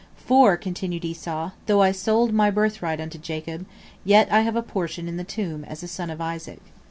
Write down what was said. For, continued Esau, "though I sold my birthright unto Jacob, I yet have a portion in the tomb as a son of Isaac."